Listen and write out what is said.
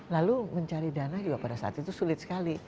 lalu mencari dana juga pada saat itu sulit sekali